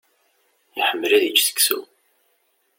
Iḥemmel ad yečč seksu.